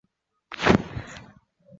我快到了，你再等一下。